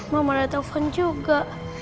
mama ada telepon juga